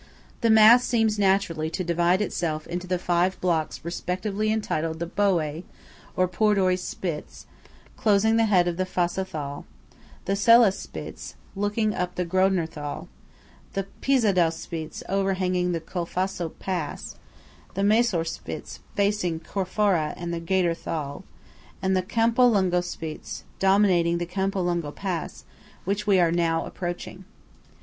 The mass seems naturally to divide itself into the five blocks respectively entitled the Boé, or Pordoi Spitz closing the head of the Fassa Thal; the Sella Spitz, looking up the Grödner Thal; the Pissadu Spitz overhanging the Colfosco pass; the Masor Spitz facing Corfara and the Gader Thal; and the Campolungo Spitz, dominating the Campolungo pass, which we are now approaching.